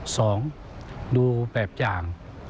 สองดูแบบอย่าง